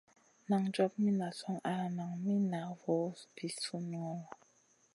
Nan job mi nazion al nan mi na voo sùn ŋolo.